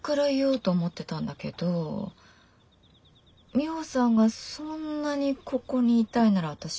ミホさんがそんなにここにいたいなら私